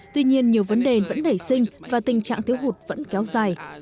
tuy nhiên nhiều vấn đề vẫn nảy sinh và tình trạng thiếu hụt vẫn kéo dài